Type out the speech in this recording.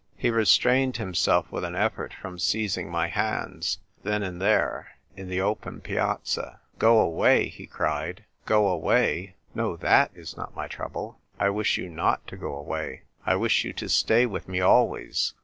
He restrained himself with an effort from seizing my hands, then and there, in the open Piazza. " Go azvay ?" he cried. " Go aivay ? No, that is not my trouble. I wish you not to go away. I wish you to stay with me always.